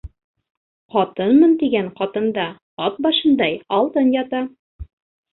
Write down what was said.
Ҡатынмын тигән ҡатында ат башындай алтын ята.